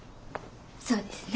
そうですね。